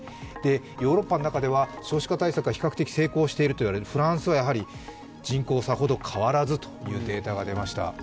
ヨーロッパの中では少子化対策が比較的成功しているといわれるフランスがやはり人口さほど変わらずというデータが出ました。